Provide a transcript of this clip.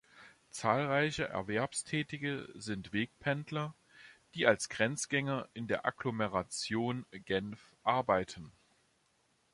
Zahlreiche Erwerbstätige sind Wegpendler, die als Grenzgänger in der Agglomeration Genf arbeiten.